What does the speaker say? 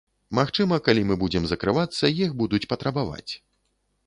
Магчыма, калі мы будзем закрывацца, іх будуць патрабаваць.